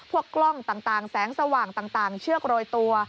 กล้องต่างแสงสว่างต่างเชือกโรยตัว